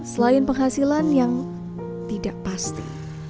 selain penghasilan yang tidak pasti